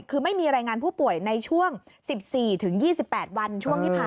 คือไม่มีรายงานผู้ป่วยในช่วง๑๔๒๘วันช่วงที่ผ่าน